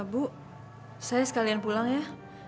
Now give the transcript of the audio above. bu saya sekalian pulang ya